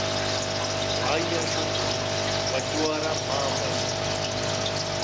آئی ءَ شُت ءُ گوٛنڈو ءَ را ماں بست